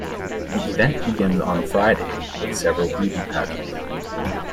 The event begins on Friday with several beauty pageants.